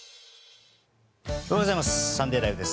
おはようございます。